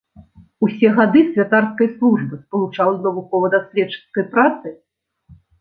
Усе гады святарскай службы спалучаў з навукова-даследчыцкай працай.